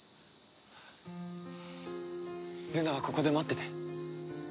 ルナはここで待ってて。